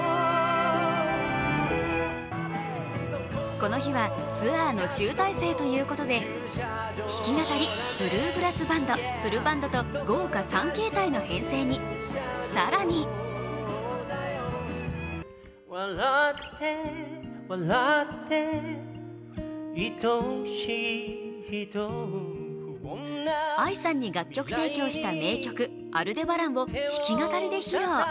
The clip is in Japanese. この日はツアーの集大成ということで、弾き語り、ブルーグラスバンド、フルバンドと豪華３形態の編成に、更にＡＩさんに楽曲提供した名曲「アルデバラン」を弾き語りで披露。